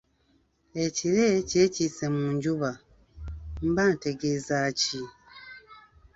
‘Ekire kyekiise mu njuba’, mba ntegeeza ki?